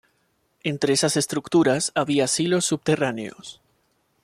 Entre esas estructuras había silos subterráneos.